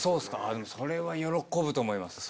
それは喜ぶと思います。